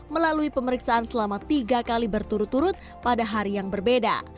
melalui pemeriksaan selama tiga kali berturut turut pada hari yang berbeda